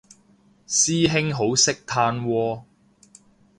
師兄好識嘆喎